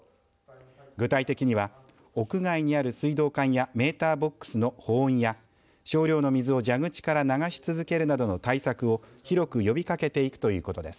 具体的には、屋外にある水道管やメーターボックスの保温や少量の水を蛇口から流し続けるなどの対策を広く呼びかけていくということです。